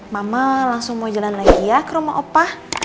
mama langsung mau jalan lagi ya ke rumah opa